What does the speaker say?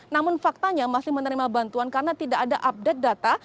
namun faktanya masih menerima bantuan karena tidak ada update data